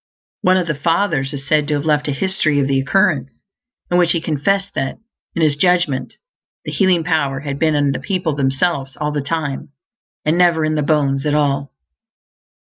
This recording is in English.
One of the fathers is said to have left a history of the occurrence, in which he confessed that, in his judgment, the healing power had been in the people themselves all the time, and never in the bones at all.